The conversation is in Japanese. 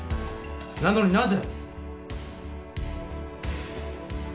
なのになぜ？